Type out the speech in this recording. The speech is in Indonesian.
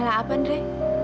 malah apa dre